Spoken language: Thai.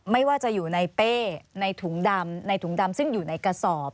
ไม่ว่าจะอยู่ในเป้ในถุงดำในถุงดำซึ่งอยู่ในกระสอบ